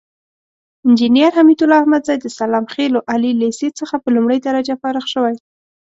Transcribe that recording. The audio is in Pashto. انجينر حميدالله احمدزى د سلام خيلو عالي ليسې څخه په لومړۍ درجه فارغ شوى.